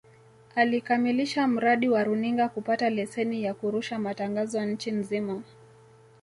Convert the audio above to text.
Alikamilisha mradi wa runinga kupata leseni ya kurusha matangazo nchi nzima